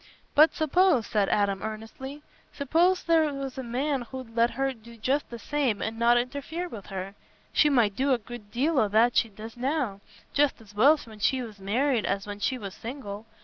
"But suppose," said Adam, earnestly, "suppose there was a man as 'ud let her do just the same and not interfere with her—she might do a good deal o' what she does now, just as well when she was married as when she was single.